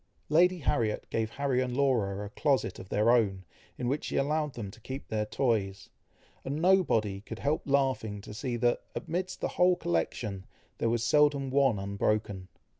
Lady Harriet gave Harry and Laura a closet of their own, in which she allowed them to keep their toys, and nobody could help laughing to see that, amidst the whole collection, there was seldom one unbroken.